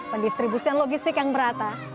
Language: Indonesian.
pendistribusian logistik yang merata